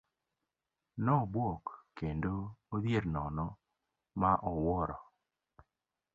Nobuok kendo odhier nono ma owuoro.